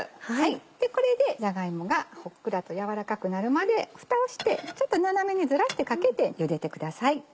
これでじゃが芋がふっくらと柔らかくなるまでふたをしてちょっと斜めにずらしてかけて茹でてください。